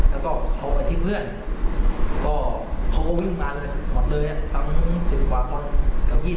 แล้วก็น่ะพยายามขอเสื้อทุ่มห่อผมแล้วก็มันมันก็ว่ามันติดติด